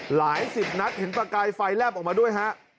หลายสิบนัดเห็นประกายไฟแลบออกมาด้วยฮะ